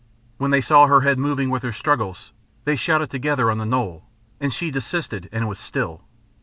When they saw her head moving with her struggles, they shouted together on the knoll, and she desisted and was still.